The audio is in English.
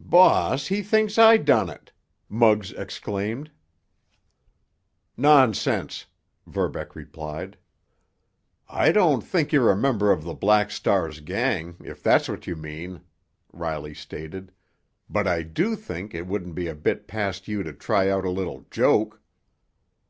"Boss, he thinks I done it!" Muggs exclaimed. "Nonsense!" Verbeck replied. "I don't think you're a member of the Black Star's gang, if that's what you mean," Riley stated, "but I do think it wouldn't be a bit past you to try out a little joke."